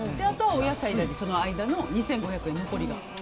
あとはお野菜でその間の２５００円、残りが。